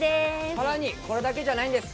さらにこれだけじゃないんです。